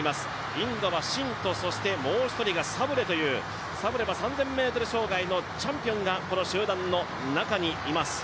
インドはシンともう一人がサブレという、３０００ｍ障害とチャンピオンがこの集団の中にいます。